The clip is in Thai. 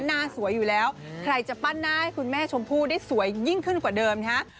หน้าสวยอยู่แล้วใครจะปั้นหน้าให้คุณแม่ชมพู่ได้สวยยิ่งขึ้นกว่าเดิมนะฮะ